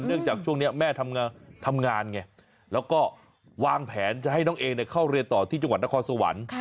จากช่วงนี้แม่ทำงานไงแล้วก็วางแผนจะให้น้องเองเข้าเรียนต่อที่จังหวัดนครสวรรค์